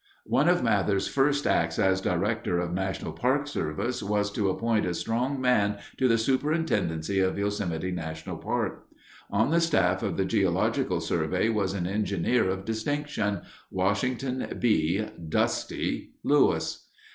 One of Mather's first acts as Director of the National Park Service was to appoint a strong man to the superintendency of Yosemite National Park. On the staff of the Geological Survey was an engineer of distinction, Washington B. ("Dusty") Lewis.